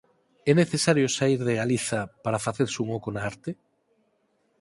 É necesario saír de Galiza para facerse un oco na arte?